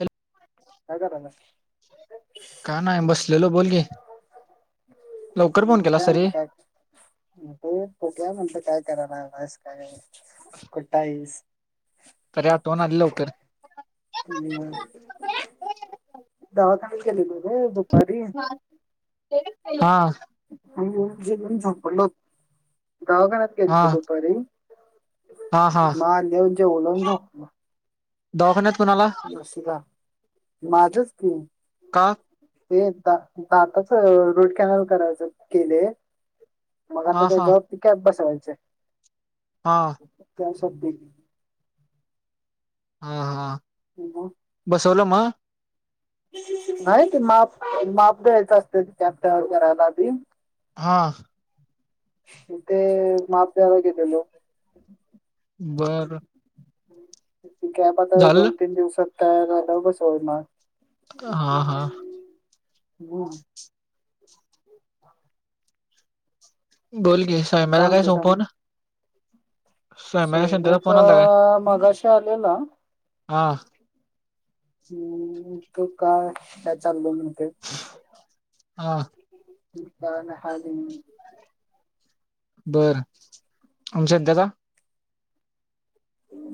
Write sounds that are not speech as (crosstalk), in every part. हला काय (unintelligible) करायला का नाय बस ललो बोलगे. म्हणत (unintelligible) काय करा ना म का कुठाई (unintelligible) ते आठवून आली लवकर. दावाखळ केेले म आहे भुपारी. (unintelligible) हा. झो गावघरात हा घत दुपारी. (unintelligible) हा हा म देऊचे बलाून शकत (unintelligible) दवाखान्यात. कुणाला नसला माझच कि. का ते द दातच रूट कॅनल करायच केले. मग आता हा ते हा जबाब त कॅब बसवायच. हा स्य (unintelligible) हा हा. ह (unintelligible) म. नाही ते माप माप द्यायचं असते कॅपव करायली. हां. म ते माप त्याला गेलेलो. बर. गॅप आता झालं दोन तीन दिवसात तयार झालं बस होय मग. हा हा. बन. बोलगे सॉय मला काय सोपव ना सोयने आलता काय तर मगाशी आलेला. हां. हम्म तू काय काय चालतय म्हणते. हा. रिकामे हाल आहेत की नाही. बर आमच्यात देता.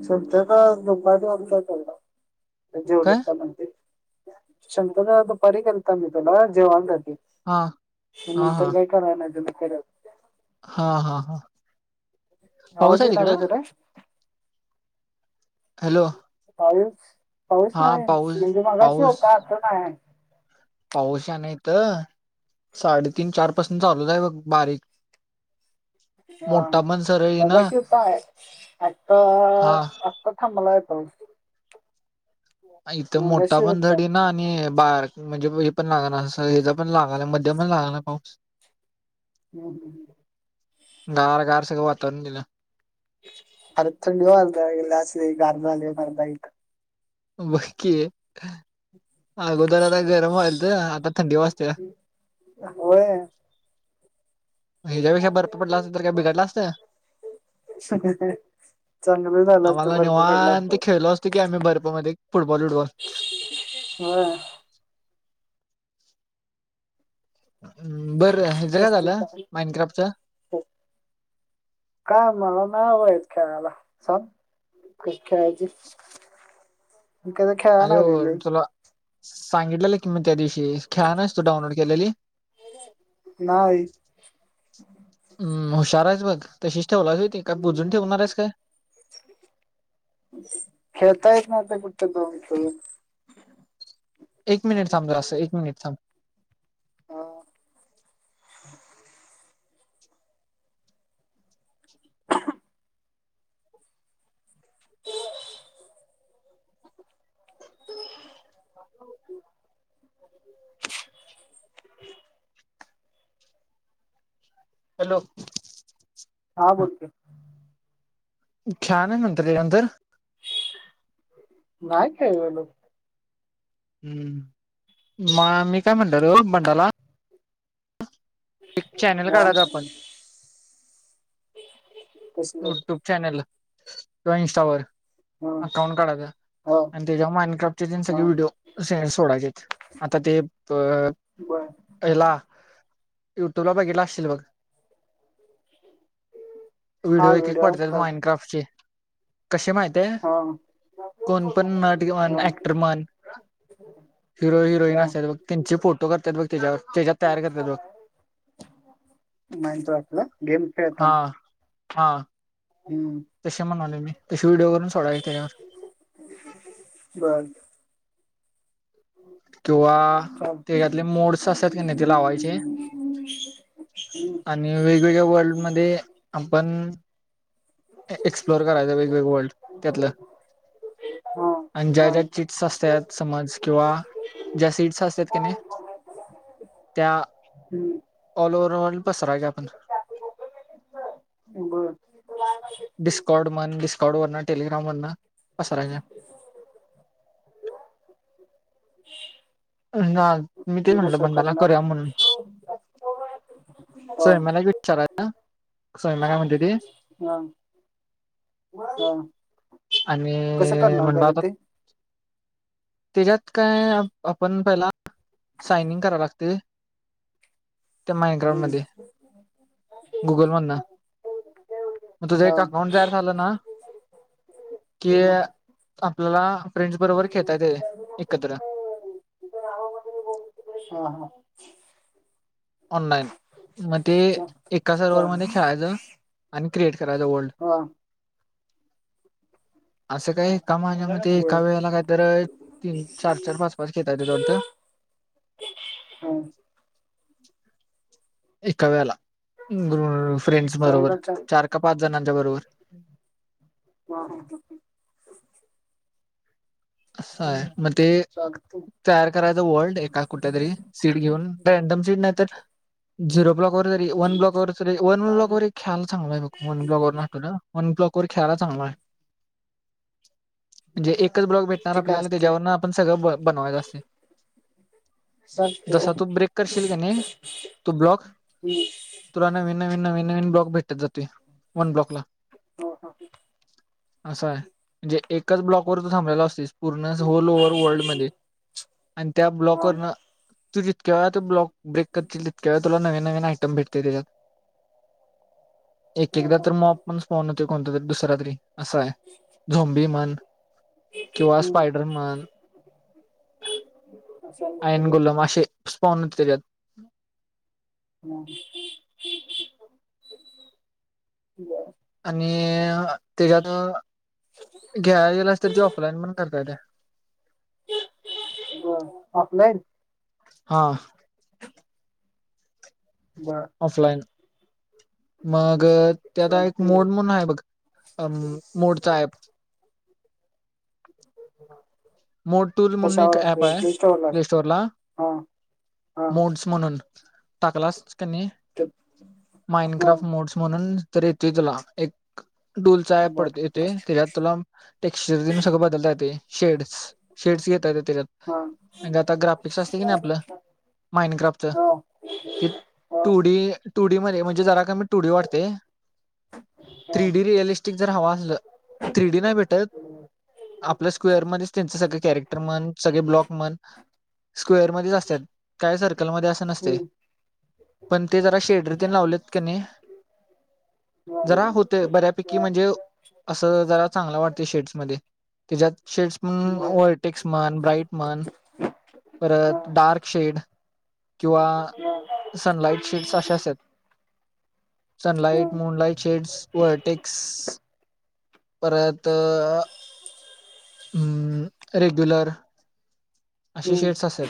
सध्या काय दुपारी वाजता काय जेवलालाव. शम्भूदाला दुपारी केलता मी जेवण हा हा हा नंतर काय कराय नाही त्यांन परत. हा हा हा. पाऊस आवाज आहे येईना व्हय तिकडं जरा हॅलो. पाऊस पाऊस हा नाही पाऊस म्हणजे मगाशी पाऊस होताआता नाय आहे. पाऊस हाय नाहीतर साडेतीन चार पासून चालूच आहे बघ बारीक ह मोठा पण सरळ येईना मघाशी हुता आता हा आता थांबलाय. हां इथं मोठा पण धड येईना आणि बारक म्हणजे हे पण लाग ना अस हेचा पण लागलय मध्यमच लागालाय पाऊस हम्म, हम्म. गार गार सगळं वातावरण दिलं अर थंडी वाजायला लागलं असं गार झालंय मर्दा इथं बाकी आहे अगोदर आता गरम व्हायलत आता थंडी वाजत्या होय ह्याच्या पेक्षा बर्फ पडला असत तर काय बिघडल असत चल आम्हाला निवांत खेळलो असत की आम्ही बर्फमध्ये मध्ये फुटबॉल बिटबॉल व्हय बरं ह्याचं काय जास्तीत झालं जास्त. माइनक्राफ्टच काय मला नाय बाबा येत खेळाला सांग खेळायचं मी कधी खेळायला अरे हो नाही रे लयं तुला सांगितलेलं कि मी त्या दिवशी खेळा नास तू डाउनलोड केलेली नाही हम्म हुशार आहेस बघ तशीच ठेवलास व्हय ते काय पूजून ठेवणारस काय आता कुठं जाऊन खेळू एक मिनिट थांब जरासं असं एक मिनिट थांब हा हॅलो हा बोलते छान आहे नंतर त्याच्या नंतर नाही खेळलेलो हम्म म मी काय म्हणलेलो मंडाला एक चॅनल हा काढयच आपण तसं युट्यूब चॅनल किंवा इनस्टावर हा अकाउंट काढायच हा आणि त्याच्या माईंडक्राफ्टचे सगळे हा व्हिडिओ सोडायचे आहेत आता ते अ बर ह्याला युट्यूब ला बघितला असशील बघ हा व्हिडिओ एक एक पडत्यात असतात माइनड क्राफ्ट चे कशे माहिताय हा कोण पण नट किंवा हा ऍक्टर म्हण हिरो हिरोईन हा असत्यात बघ त्यांचे फोटो करत्यात बघ त्याच्यावर त्याच्यात तयार करतत्यात बघ माइनक्राफ्टला गेम खेळताना हा स्थान हम्म तसे म्हणाले मी तशी व्हिडिओ वरून सोडावे तैयार बर किंवा चालते त्यातले मोड्स असातत की नाही ते लावायचे आणि वेगवेगळ्या वर्ल्ड मध्ये आपण एक्सप्लोर करायचं वेगवेग वल्ड त्यातलं हा आणि ज्या हा ज्या चिट्स असतात समाज किंवा ज्या सीट्स असतात की नाही त्या हम्म ऑल ओव वर्ल्ड पसरा का आपण बर डिस्काॉड मन डिस्काॉड वरण टेलिग्राम वरणं असं राहिच हो ह नाय मी ते म्हटलं बंडाला करूया म्हणून हा सोय मला एक विचाराय हा नाय हा ना आणि म्हणलाबाता त्याच्यात काय आपण पहिला साइन इंग करायला लागतय त्या मायक्रॉन हम्म मध्ये गुगल मध ना मग तुझं हा एक अकाउंट तयार झालं ना कि हम्म आपल्याला फ्रेंच बरोबर खेळता येतय एकत्र हा हा ऑनलाइन मग ते चा एका सरवरवर मध्ये चालेल खेळायचं आणि क्रेड करायच वल्ड हा असं काय का माझ्या म बर एका वेळेला कायतर तीन चार चार पाच पाच घेत ते वाटतं हम हम् एका व्याला अ फ्रेंड्स बरोबर कळलं चा चार का पाच जणांच्या बरोबर हा असंय मग ते चालते तयार करायचं वल्ड एका कुठल्यातरी सीट घेऊन रँडम सीट नाही तर झिरो ब्लाॅक वर जरी वन्लॉ वररी वन ब्लॉ व खेयला चांगलाय बग व ब्लॉक वरटतो ना वन ब्लाॅक खेयला चांगलाय म्हणजे एकच ब्लॉक भेटणार ते काय आपल्याला असते त्याच्यावरून आपण सगळं ब बनवायचं असतय चालते जसा तू ब्रेक करशील का नाही तू ब्लॉक तुला नवीन नवीन नवीन नवीन ब्लॉक भेटत जाते वन ब्लॉकला हो ह असं आहे म्हणजे एकाच ब्लॉकवर तू थांबलेला असतेस पूर्ण ऑल ओव्ह वर्ल्डमध्ये आणि त्या ब्लॉक वरन तू जितक्या वेळा तु ब्लॉक ब्रेक करतील तितक्या वेळा तुला नवीन नवीन आयटम भेटते त्याच्यात एक एकदा तर मग पण फोन होते कोणता तरी दुसरा तरी आसाय झमबि मन ऑफलाईन स्पाडरमन आयन गोलमाशे पाहून त्याच्यात हम आणि त्याच्यात घ्या गेलास तर त ऑफलाईन पण करता येतय ब हा बर ऑफलाईन मग त्यात एक चालतंय मोड म्हणून आहे बघ अम् मोडतात तेच ना मोड टुर्ण म्हणून एक ॲप आहे प्ले स्टोर ला हा हा मोड्स म्हणून टाकलाच कनी ते माइंड हा क्राफ्ट मोड्स म्हणून तरी येतय तुला एक डोलचा ॲप बर पडत येतय त्याच्यात तुला टेक्सचर सगळं बदलता येते शेड्स शेड्स घेता येतय हा त्याच्यात आता ग्राफिक्स असतय की नाही आपलं माईंडक्राफ्टच हा हा ते two D two two D मध्ये म्हणजे जरा कमी टु डी वाटतय हा थ्री डी रिअलिस्टिक जर हवा असलं थ्री डी नाही भेटत आपल्या स्क्वेअर मध्येच त्यांचे सगळे कॅरेक्टर म्हण सगळे ब्लाॅकने म्हण स्क्वेअरमध्ये असत्यात काय जर त्याच्या मध्ये अस नसतय हम्म पण ते जरा शेडरी लावलेत की नाही जरा लावलीत होते कणी बऱ्यापैकी म्हणजे त्यात असं जरा चांगला वाटतोय शेड्समध्ये त्याच्यात शेड्स अ बर ऑलटेक्स म्हन ब्राईट म्हन हा परत डार्क शेड किंवा सनलाइट शेड्स अशे असत्यात सनलाइट मूनलाईट शेड्स वरटेक्स परत अम रेग्युलर अशी हम्म शेड्स असत्यात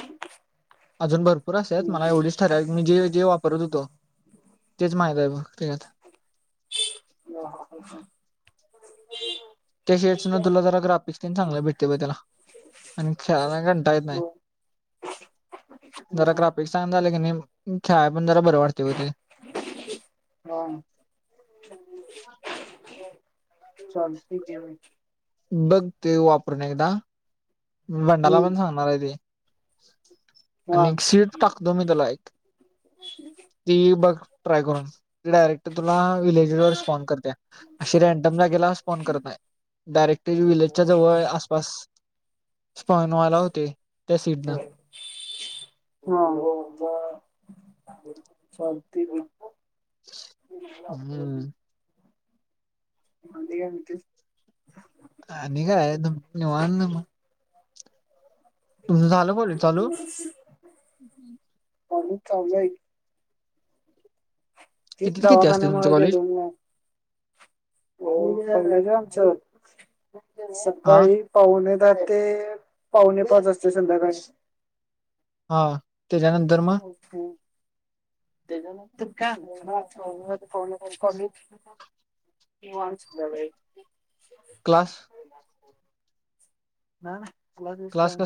अजून भर पुर असत्यात हम्म मला हम्म, एवढीच ठरावीक मी जे जे वापरत होतो तेच माहित आहे बघ त्यात हू हा ह ह त्या शेड्स न तुला जरा ग्राफिक्स तेन चांगलं भेटते ब तेला आणि ख कंटाळा येत नाही बर जरा हा ग्राफीक्स छान झाले क नई मग कार्ड मग जरा बर वाटतय मग ते चालतय घे बघ ते वापरून एकदा मी बंडाला पण हम्म सांगणार आहे ते हा आणि एक शीड्स टाकतो मी त्याला एक ती बघ ट्राय करून डायरेक्ट तुला व्हिलेज वर स्पॉन करतय अशी रॅड्डम जागेला स्पॉन करत नाही डायरेक्ट व्हिलेजच्या जवळ आसपास स्पाॅनवाला होतय त्या स्पीडन हा हो चा.. बर चालतय की बर टाकतो घे हम्म आणि काय म्हणतोईस आणि काय एकदम निवांत आहे मग तुमचं झालं कॉलेज काय चालू? नाही चांगलं आहे तेच किती ते किती असते तुमचं दवाखान्यामुळ कॉलेज? घडलं नाय दवाखाना आहे ना आमचा हा सकाळी पावणे तर ते पावणे पाच वाजते संध्याकाळी हा तेच्यानंतर मग त्याच्यानंतर काय मग फोनवर कॉल येतोय ना ती पण शिकलेलोय क्लास नाय नाय क्लास बीस काय नाय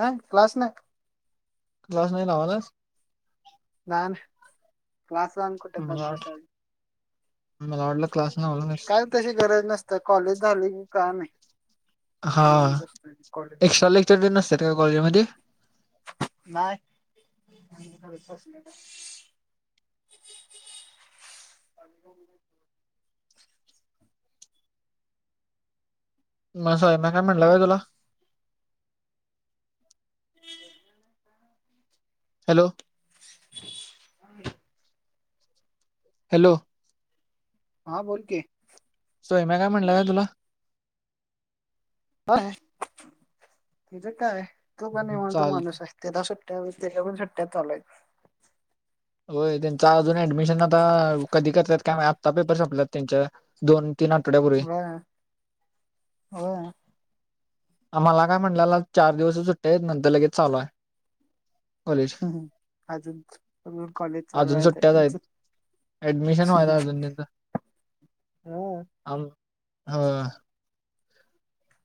नाही क्लास नाही क्लास नाही लावायला नाय क्लास ला आणि कुट जात मला वाट बसायचं मला वाटलं क्लास लावणार आहेस तशी गरज कॉलेज झाली की काय नाही हा निवांत असतोय कॉलेजला मग. एक्स्ट्रा लेक्चर दे नसतात का कॉलेज मध्ये नाहीय वि अ म सैफ्या काय म्हटलं का तुला हॅलो ह हॅलो हा बोल के सोम्या काय म्हटलं का तुला काय तचं काय तो का निवांत हम्म, म्हणतो चालतं माणूस आहे त्याला अस सुट्या तेच्या पण सुट्ट्या चालूयत होय त्यांच अजून ऍडमिशन आता कधी करल्यात का आत्ता पेपर संपलात त्यांच्या दोन तीन आठवड्यापूर्वी व्हय व्हय आम्हाला काय म्हटलं चार दिवस सुट्टया नंतर लगेच चालू आहे कॉलेज हम् अजून कॉलेज चालू व्हायचं आहे त्यांच अऍडमिशन व्हायचं अजून त्याचं हा अजून होय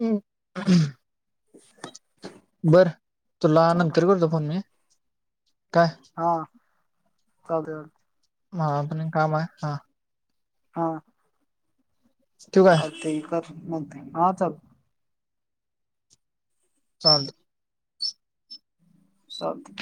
हम् बर तुला चाल नंतर करतो फोन मी काय हा चालतंय चालतंय मला पण एक काम आहे हा हा ठेवू काय चालतंय की कर नंतर हा चालतंय चालतंय चालतंय